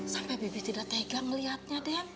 sampai bibi tidak tegang ngeliatnya den